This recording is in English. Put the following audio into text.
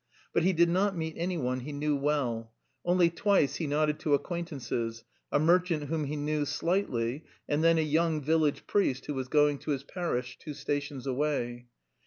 But he did not meet anyone he knew well; only twice he nodded to acquaintances a merchant whom he knew slightly, and then a young village priest who was going to his parish two stations away.